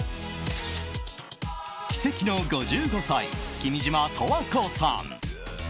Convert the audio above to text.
奇跡の５５歳、君島十和子さん。